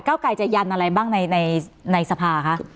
เก้าไกรจะยันอะไรบ้างในสภาคะ